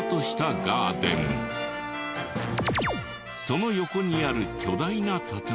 その横にある巨大な建物は。